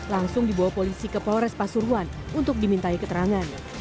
langsung dibawa polisi ke polres pasuruan untuk dimintai keterangan